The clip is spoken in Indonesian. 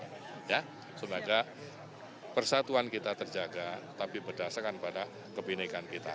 semoga persatuan kita terjaga tapi berdasarkan pada kebenekan kita